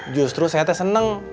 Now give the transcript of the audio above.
justru saya teh seneng